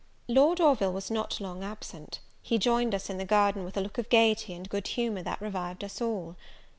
Lord Orville was not long absent: he joined us in the garden with a look of gaiety and good humour that revived us all.